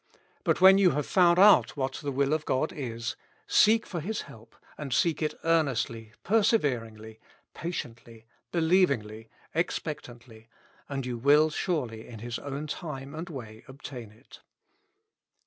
But when you have found out what the will ot God is, seek for His help, and seek it earnestly, perseveringly, patiently, believingly, expectantly ; and you will surely in His own time and way obtain it.